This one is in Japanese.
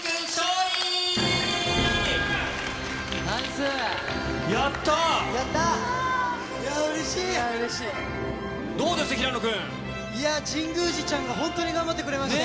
いやー、神宮寺ちゃんが本当に頑張ってくれました。